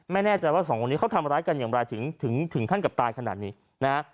ไม่แน่ใจว่าสองคนนี้เขาทำร้ายกันอย่างไรถึงถึงขั้นกับตายขนาดนี้นะฮะ